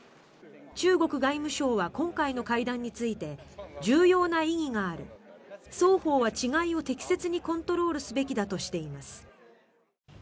中国外務省は今回の会談について重要な意義がある双方は違いを適切にコントロールすべきだとしています。